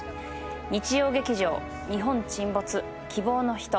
日曜劇場「日本沈没−希望のひと−」